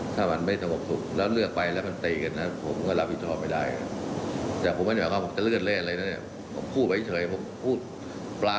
ถ้าใครทำตัวแบบนี้ก็อย่าไปยุ่งอย่าไปสะบุนเขา